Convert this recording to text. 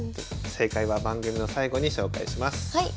正解は番組の最後に紹介します。